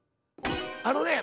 あのね